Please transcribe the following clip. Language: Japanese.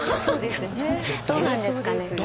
そうなんですかね？